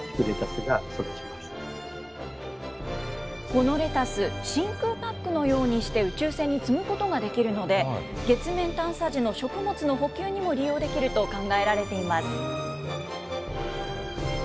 このレタス、真空パックのようにして宇宙船に積むことができるので、月面探査時の食物の補給にも利用できると考えられています。